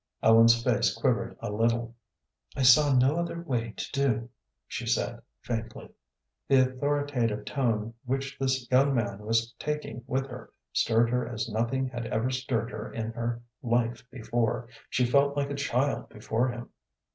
Ellen's face quivered a little. "I saw no other way to do," she said, faintly. The authoritative tone which this young man was taking with her stirred her as nothing had ever stirred her in her life before. She felt like a child before him.